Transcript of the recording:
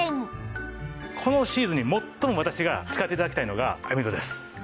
このシーズンに最も私が使って頂きたいのが網戸です。